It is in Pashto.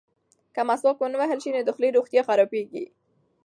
که مسواک ونه وهل شي نو د خولې روغتیا خرابیږي.